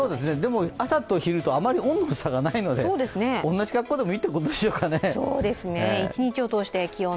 でも朝と昼とあまり温度差がないので、同じ格好でもいいかもしれませんね。